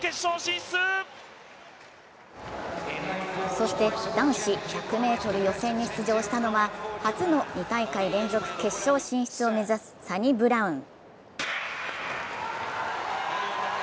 そして男子１００ｍ予選に出場したのは初の２大会連続決勝進出を目指すサニブラウン。